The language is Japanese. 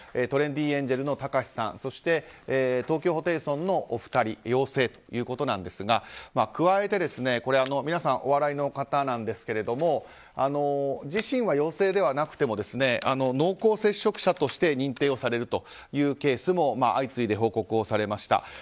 トレンディエンジェルのたかしさんそして東京ホテイソンのお二人陽性ということなんですが加えて皆さんお笑いの方なんですけど自身は陽性ではなくても濃厚接触者として認定をされるというケースも相次いで報告されました。